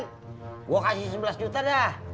gue kasih sebelas juta dah